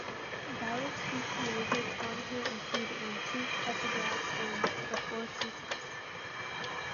Ballets he created on her include "Antique Epigraphs" and "The Four Seasons".